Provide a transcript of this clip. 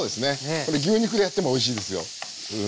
これ牛肉でやってもおいしいですようん。